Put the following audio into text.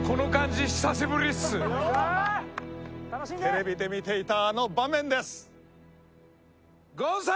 テレビで見ていたあの場面です。